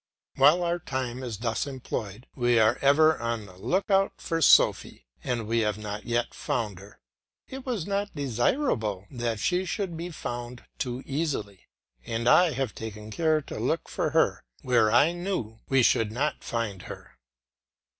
While our time is thus employed, we are ever on the look out for Sophy, and we have not yet found her. It was not desirable that she should be found too easily, and I have taken care to look for her where I knew we should not find her.